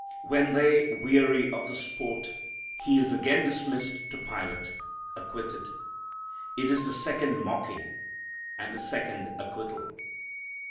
When they weary of the sport He is again dismissed to Pilate, acquitted. It is the second mocking and the second acquittal.